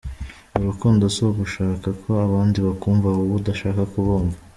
Urukundo si ugushaka ko abandi bakumva wowe udashaka kubumva.